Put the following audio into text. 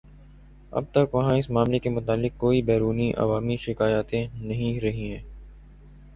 اب تک وہاں اس معاملے کے متعلق کوئی بیرونی عوامی شکایتیں نہیں رہی ہیں